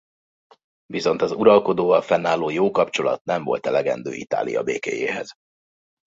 Viszont az uralkodóval fennálló jó kapcsolat nem volt elegendő Itália békéjéhez.